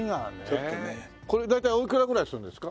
これ大体おいくらぐらいするんですか？